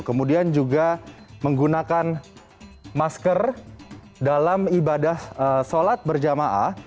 kemudian juga menggunakan masker dalam ibadah sholat berjamaah